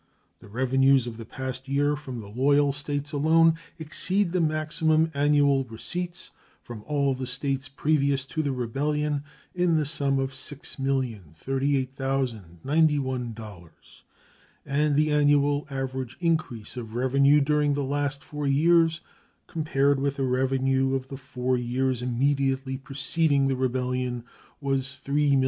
The revenues of the past year, from the loyal States alone, exceeded the maximum annual receipts from all the States previous to the rebellion in the sum of $6,038,091; and the annual average increase of revenue during the last four years, compared with the revenues of the four years immediately preceding the rebellion, was $3,533,845.